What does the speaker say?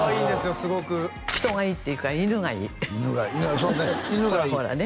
すごく人がいいっていうか犬がいいそうね